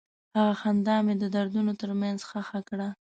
هغه خندا مې د دردونو تر منځ ښخ کړه.